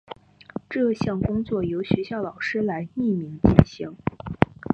这项工作由学校老师来匿名进行。